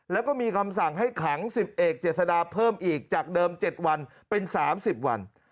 แล้วก็มีคำสั่งให้ขัง๑๐เอกเจษฎาเพิ่มอีกจากเดิม๗วันเป็น๓๐วัน